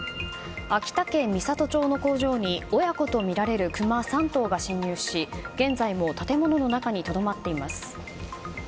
秋田県美郷町の工場に親子とみられるクマ３頭が侵入し現在も建物の中にとどまっています。